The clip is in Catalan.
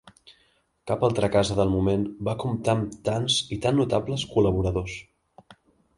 Cap altra casa del moment va comptar amb tants i tan notables col·laboradors.